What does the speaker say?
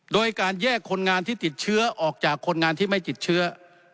โดยการแยกคนงานที่ติดเชื้อออกจากคนงานที่ไม่ติดเชื้อ